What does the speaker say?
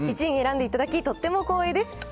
１位に選んでいただき、とっても光栄です。